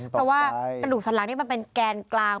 เพราะว่ากระดูกสันหลังนี้มันเป็นแกนกลาง